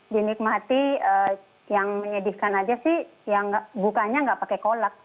dinikmati yang menyedihkan aja sih yang bukanya nggak pakai kolak